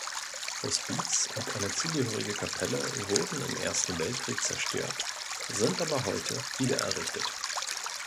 Hospiz und eine zugehörige Kapelle wurden im Ersten Weltkrieg zerstört, sind aber heute wiedererrichtet.